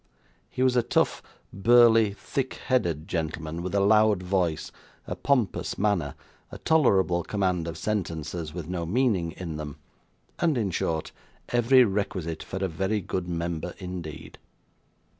He was a tough, burly, thick headed gentleman, with a loud voice, a pompous manner, a tolerable command of sentences with no meaning in them, and, in short, every requisite for a very good member indeed.